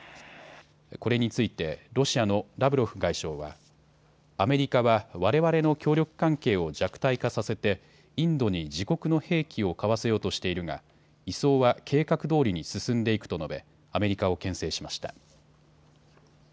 これについてロシアのラブロフ外相はアメリカはわれわれの協力関係を弱体化させてインドに自国の兵器を買わせようとしているが移送は計画どおりに進んでいくと述べ、アメリカをけん制しました。